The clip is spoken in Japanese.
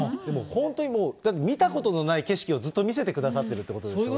本当にもう、見たことのない景色をずっと見せてくださっているということですよね。